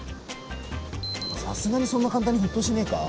さすがにそんな簡単に沸騰しねえか？